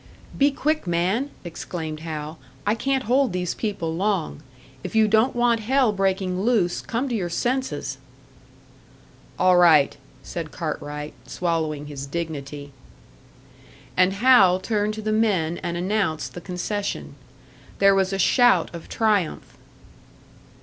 "Be quick, man!" exclaimed Hal. "I can't hold these people long. If you don't want hell breaking loose, come to your senses." "All right," said Cartwright, swallowing his dignity. And Hal turned to the men and announced the concession. There was a shout of triumph.